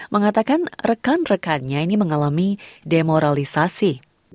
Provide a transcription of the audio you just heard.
mengatakan rekan rekannya ini mengalami demoralisasi